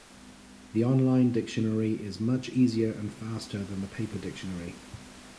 The on-line dictionary is much easier and faster than the paper dictionary.